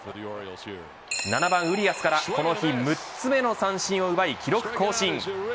７番ウリアスからこの日、６つ目の三振を奪い記録更新。